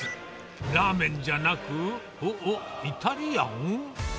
ラーメンじゃなく、おっ、おっ、イタリアン？